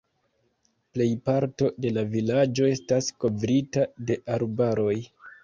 Plejparto de la vilaĝo estas kovrita de arbaroj.